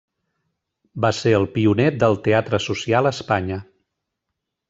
Va ser el pioner del teatre social a Espanya.